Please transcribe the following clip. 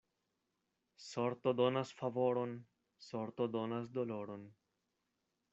Sorto donas favoron, sorto donas doloron.